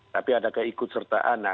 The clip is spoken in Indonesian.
tapi ada keikut sertaan